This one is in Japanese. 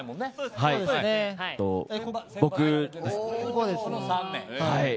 この３名。